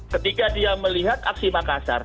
ketika dia melihat aksi makassar